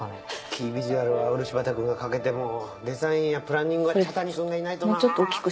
キービジュアルは漆畑くんが描けてもデザインやプランニングは茶谷くんがいないとな。